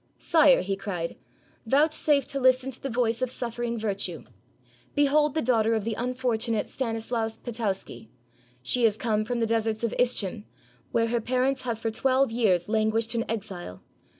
"Sire," he cried, "vouchsafe to listen to the voice of suffering virtue; behold the daughter of the unfortunate Stan islaus Potowsky; she has come from the deserts of Ischim, where her parents have for twelve years lan guished in exile.